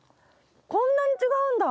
こんなに違うんだ！